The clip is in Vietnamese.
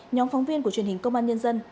nhóm phóng viên của truyền hình công an nhân dân